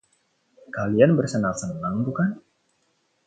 Kalian bersenang-senang, bukan?